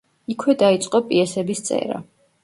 იქვე დაიწყო პიესების წერა.